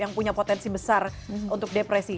yang punya potensi besar untuk depresi